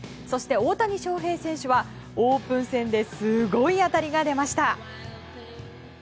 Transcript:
そして大谷翔平選手はオープン戦ですごい当たりが出ました。